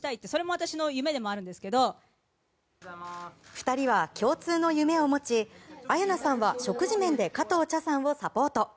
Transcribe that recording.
２人は共通の夢を持ち綾菜さんは食事面で加藤茶さんをサポート。